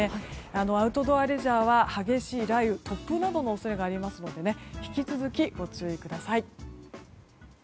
アウトドアレジャーは激しい雷雨、突風などの恐れがありますので引き続きご注意ください。